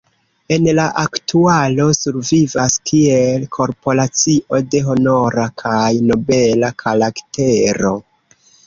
En la aktualo survivas kiel korporacio de honora kaj nobela karaktero.